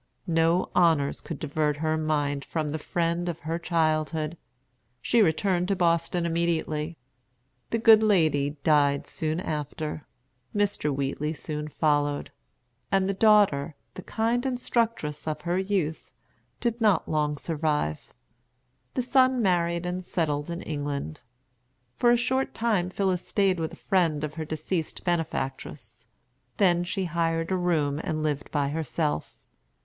No honors could divert her mind from the friend of her childhood. She returned to Boston immediately. The good lady died soon after; Mr. Wheatley soon followed; and the daughter, the kind instructress of her youth, did not long survive. The son married and settled in England. For a short time Phillis stayed with a friend of her deceased benefactress; then she hired a room and lived by herself.